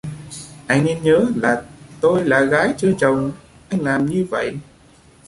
Anh nên nhớ là tôi là gái chưa chồng anh làm như vậy